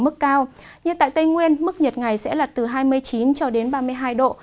mức cao như tại tây nguyên mức nhiệt ngày sẽ là từ hai mươi chín cho đến ba mươi hai độ